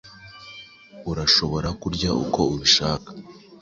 Urashobora kurya uko ubishaka.